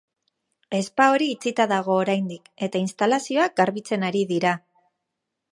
Spa hori itxita dago oraindik, eta instalazioak garbitzen ari dira.